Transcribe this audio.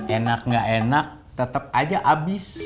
enak gak enak tetep aja abis